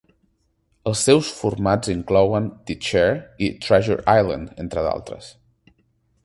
Els seus formats inclouen "The Chair" i "Treasure Island", entre d'altres.